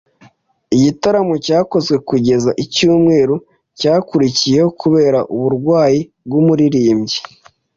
Igitaramo cyakozwe kugeza icyumweru cyakurikiyeho kubera uburwayi bwumuririmbyi